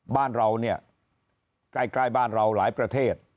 บ้านเราเนี่ยใกล้บ้านเราหลายประเทศ